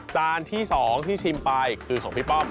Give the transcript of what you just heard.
จานที่๒ที่ชิมไปคือของพี่ป้อม